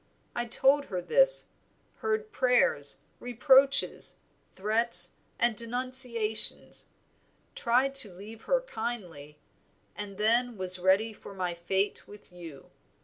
I told her this, heard prayers, reproaches, threats, and denunciations; tried to leave her kindly, and then was ready for my fate with you.